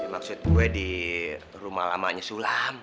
maksud gue di rumah lamanya sulam